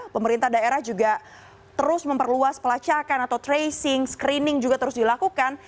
pemerintah daerah juga terus memperluas pelacakan atau tracing screening juga terus dilakukan